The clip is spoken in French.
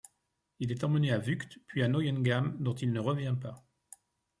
Il est emmené à Wught, puis à Neuengamme dont il ne revint pas.